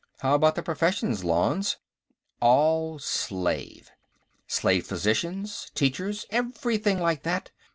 "How about the professions, Lanze?" "All slave. Slave physicians, teachers, everything like that.